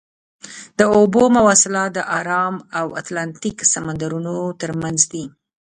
د اوبو مواصلات د ارام او اتلانتیک سمندرونو ترمنځ دي.